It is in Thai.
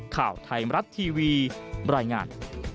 ข่าวไทยมรัฐทีวีบรรยายงาน